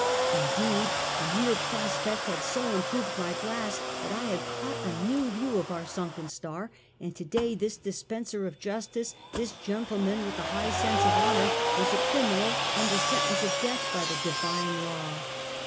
Indeed, the mere prospect had so improved my glass, that I had caught a new view of our sunken star, and to day, this dispenser of justice,, this gentleman with the high sense of honor, was a criminal under sentence of death by the divine law.